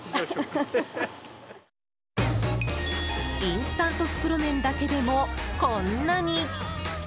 インスタント袋麺だけでもこんなに。